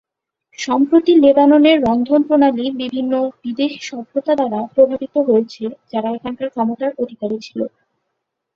সম্প্রতি লেবাননের রন্ধনপ্রণালী বিভিন্ন বিদেশী সভ্যতা দ্বারা প্রভাবিত হয়েছে যারা এখানকার ক্ষমতার অধিকারী ছিল।